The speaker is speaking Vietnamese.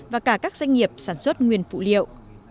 và cả các doanh nghiệp sản xuất nguyên phụ liệu